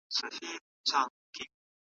که روبوټونه سمه روزنه ترلاسه نه کړي، غلطۍ کوي.